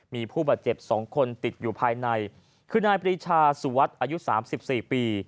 มีผู้บาดเจ็บสองคนติดอยู่ภายในคืนนายปริชาสุวัสดิ์อายุสามสิบสี่ปี